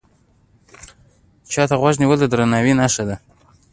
چا ته غوږ نیول د درناوي نښه ده